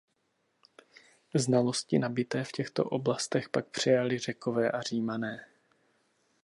Znalosti nabyté v těchto oblastech pak přejali Řekové a Římané.